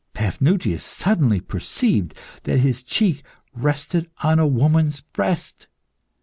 Paphnutius suddenly perceived that his cheek rested on a woman's breast.